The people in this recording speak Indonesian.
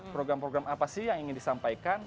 program program apa sih yang ingin disampaikan